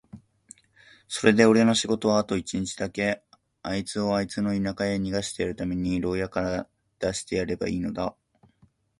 それでおれの仕事はあと一日だけ、あいつをあいつの田舎へ逃してやるために牢屋から出してやればいいのだ。